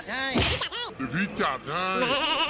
เดี๋ยวพี่จัดให้